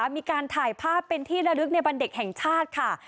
มีการถ่ายภาพเป็นที่ระลึกในวันเด็กแห่งชาติค่ะ